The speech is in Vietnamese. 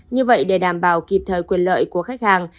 như vậy để đảm bảo kịp thời quyền lợi của khách hàng